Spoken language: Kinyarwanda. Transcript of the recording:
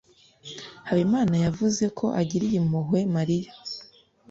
Habimana yavuze ko agiriye impuhwe Mariya.